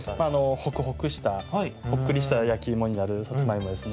ほくほくしたほっくりしたやきいもになるさつまいもですね。